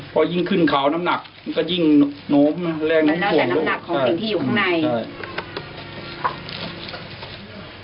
พอยิ่งขึ้นเขาน้ำหนักมันก็ยิ่งหนูแรงแล้วแต่น้ำหนักของสิ่งที่อยู่ข้างในเออ